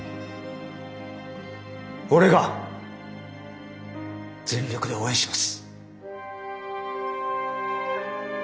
俺が全力で応援します。